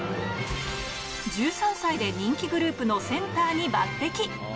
１３歳で人気グループのセンターに抜てき。